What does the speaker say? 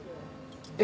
え！